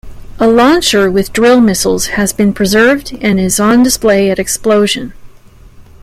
A launcher with drill missiles has been preserved and is on display at Explosion!